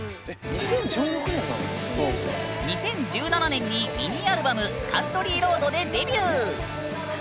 ２０１７年にミニアルバム「カントリーロード」でデビュー。